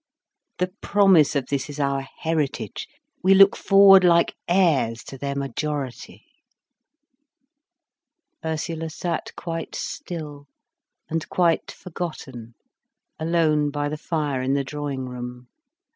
The promise of this is our heritage, we look forward like heirs to their majority. Ursula sat quite still and quite forgotten, alone by the fire in the drawing room.